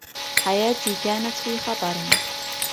حياتي كانت في خطر.